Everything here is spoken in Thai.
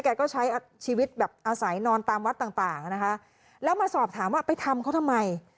แกก็ใช้ชีวิตแบบอาศัยนอนตามวัดต่างต่างนะคะแล้วมาสอบถามว่าไปทำเขาทำไม